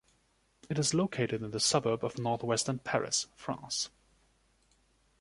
It is located in the suburb of northwestern Paris, France.